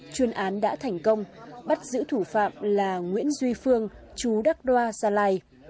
chuyên án đã thành công bắt giữ thủ phạm là nguyễn duy phương chú đắc đoa gia lai